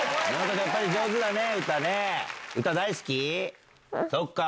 やっぱり上手だね歌ね。